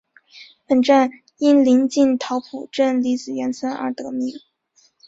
本站因临近桃浦镇李子园村而得名。